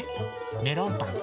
メロンパン？